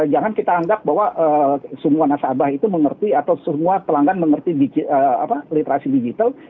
jangan kita anggap bahwa semua nasabah itu mengerti atau semua pelanggan mengerti literasi digital